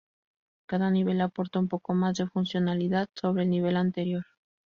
Cada nivel aporta un poco más de funcionalidad sobre el nivel anterior.